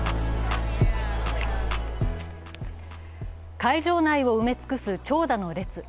会場内を埋め尽くす長蛇の列。